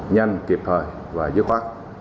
nhanh kịp thời và dứt khoát